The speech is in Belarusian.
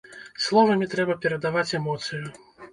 Словамі трэба перадаваць эмоцыю.